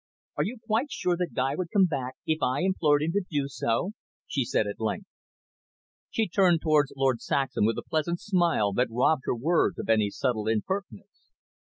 "Are you quite sure that Guy would come back, if I implored him to do so," she said at length. She turned towards Lord Saxham with a pleasant smile that robbed her words of any subtle impertinence.